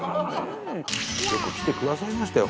よく来てくださいましたよ